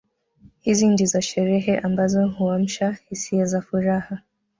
Hizi ndizo sherehe ambazo huamsha hisia za furaha